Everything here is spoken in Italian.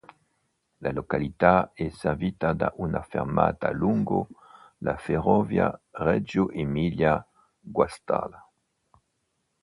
La località è servita da una fermata lungo la ferrovia Reggio Emilia-Guastalla.